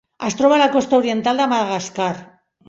Es troba a la costa oriental de Madagascar.